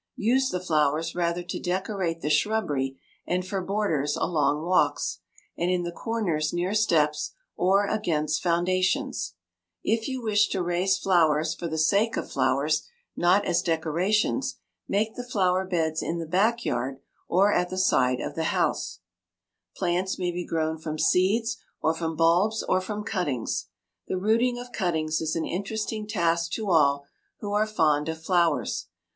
Use the flowers rather to decorate the shrubbery, and for borders along walks, and in the corners near steps, or against foundations. If you wish to raise flowers for the sake of flowers, not as decorations, make the flower beds in the back yard or at the side of the house. [Illustration: FIG. 97. A BACK YARD TO REFINE THE CHILDREN OF THE FAMILY] Plants may be grown from seeds or from bulbs or from cuttings. The rooting of cuttings is an interesting task to all who are fond of flowers.